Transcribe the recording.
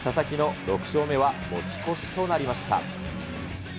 佐々木の６勝目は持ち越しとなりました。